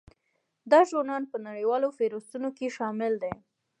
دا ژورنال په نړیوالو فهرستونو کې شامل دی.